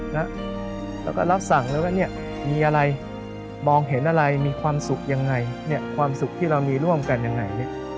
แล้วก็รับสั่งเลยว่าเนี่ยมีอะไรมองเห็นอะไรมีความสุขยังไงเนี่ยความสุขที่เรามีร่วมกันยังไงเนี่ย